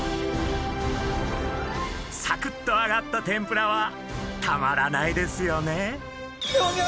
サクッとあがった天ぷらはたまらないですよね。